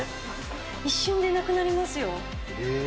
一瞬でなくなりますよ。